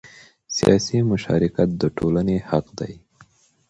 سیاسي مشارکت د ټولنې حق دی